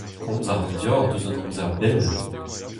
Komz a ran deoc'h eus un amzer bell.